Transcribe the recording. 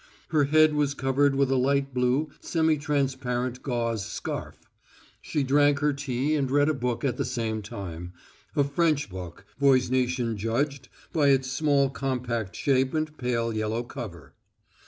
Her head was covered with a light blue, semi transparent gauze scarf. She drank her tea and read a book at the same time, a French book Voznitsin judged by its small compact shape and pale yellow cover.